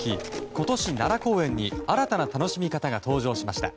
今年、奈良公園に新たな楽しみ方が登場しました。